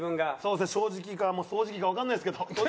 正直か掃除機かわかんないですけど。